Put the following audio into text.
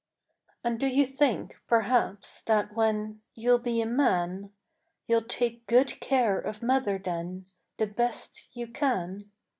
36 Miscellaneous Poems And do you think, perhaps, that when You'll be a man, You'll take good care of mother then, The best you can?